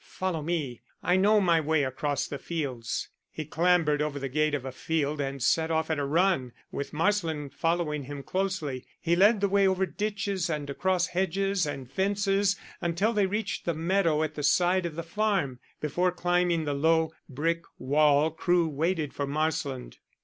"Follow me, I know my way across the fields." He clambered over the gate of a field and set off at a run, with Marsland following him closely. He led the way over ditches and across hedges and fences until they reached the meadow at the side of the farm. Before climbing the low, brick wall Crewe waited for Marsland.